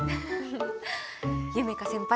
夢叶先輩